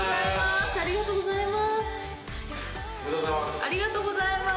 ありがとうございます。